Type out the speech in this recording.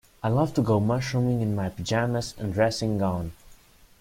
I love to go mushrooming in my pyjamas and dressing gown.